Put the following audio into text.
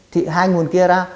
thì hai nguồn kia ra